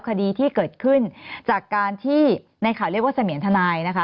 คดีที่เกิดขึ้นจากการที่ในข่าวเรียกว่าเสมียนทนายนะคะ